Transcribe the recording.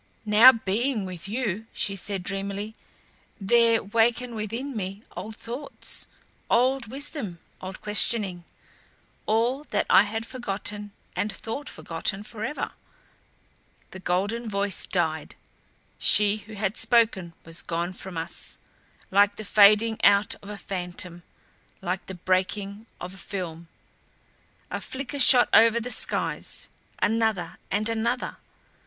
"Now being with you," she said dreamily, "there waken within me old thoughts, old wisdom, old questioning all that I had forgotten and thought forgotten forever " The golden voice died she who had spoken was gone from us, like the fading out of a phantom; like the breaking of a film. A flicker shot over the skies, another and another.